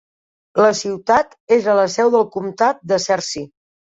La ciutat és la seu del comtat de Searcy.